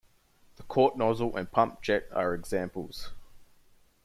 The Kort nozzle and pump-jet are examples.